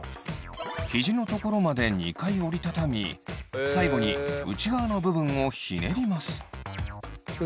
ヒジの所まで２回折り畳み最後に内側の部分をひねります。